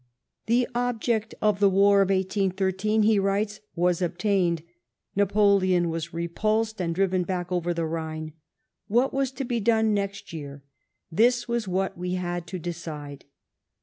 "The object of the war of 1813," he writes, "was obtained — Napoleon was repulsed and driven back over tjie llhine. What w>is to be done next year? This was what we had to decide.